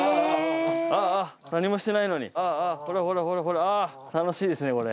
ああ、何もしてないのに、あーあー、ほらほら、ああ、楽しいですね、これ。